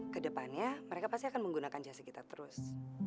kedepannya mereka pasti akan menggunakan jasa kita terus